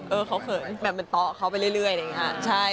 เออเขาเขินแบบมันต๊อกเขาไปเรื่อย